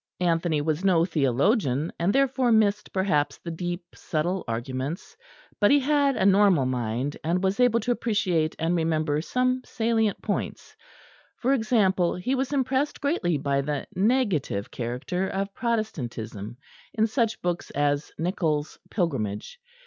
Anthony was no theologian, and therefore missed perhaps the deep, subtle arguments; but he had a normal mind, and was able to appreciate and remember some salient points. For example, he was impressed greatly by the negative character of Protestantism in such books as Nicholl's "Pilgrimage."